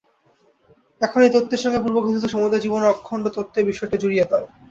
এখন এই তত্ত্বের সঙ্গে পূর্বকথিত সমুদয় জীবনের অখণ্ডত্বের বিষয়টি জুড়িয়া দাও।